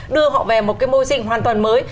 đưa họ về một cái môi sinh hoàn toàn mới